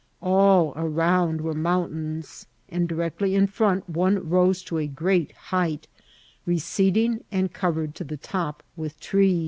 All around were mountains, and directly in front one rose to a great height, receding, and cov ered to the top with trees.